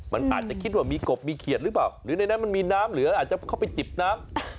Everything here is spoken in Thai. มันอาจจะคิดว่ามีกบมีเขียดหรือเปล่าหรือในนั้นมันมีน้ำเหลืออาจจะเข้าไปจิบน้ำ